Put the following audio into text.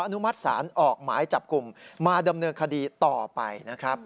นุมัติศาลออกหมายจับกลุ่มมาดำเนินคดีต่อไปนะครับ